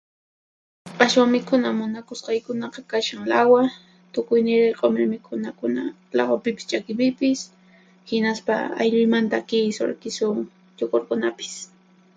Ashwan mikhuna munakusqaykunaqa kashan lawa, tukuy niray q'umir mikhunakuna lawapipis ch'akipipis, hinaspa aylluymanta kisu, rikisun, yukurkunapis.